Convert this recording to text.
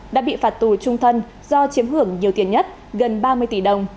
đã bị phạt tù trung thân do chiếm hưởng nhiều tiền nhất gần ba mươi tỷ đồng